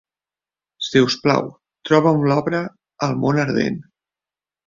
Si us plau, troba'm l'obra "El Món Ardent".